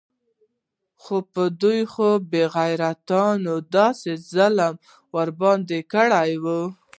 خو دې بې غيرتانو داسې ظلم ورباندې کړى و.